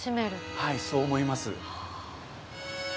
はいそう思います。